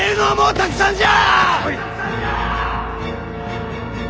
たくさんじゃ！